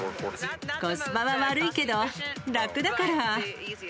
コスパは悪いけど、楽だから。